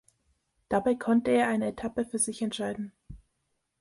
Dabei konnte er eine Etappe für sich entscheiden.